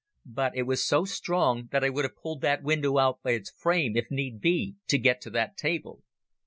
But it was so strong that I would have pulled that window out by its frame, if need be, to get to that table.